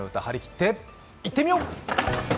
張り切っていってみよう！